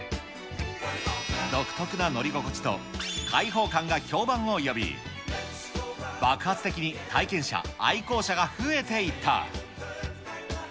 独特な乗り心地と開放感が評判を呼び、爆発的に体験者、愛好者が増えていった。